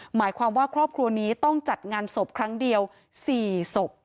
หมายความว่าครอบครัวนี้ต้องจัดงานศพครั้งเดียว๔ศพ